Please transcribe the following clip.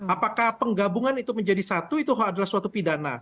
apakah penggabungan itu menjadi satu itu adalah suatu pidana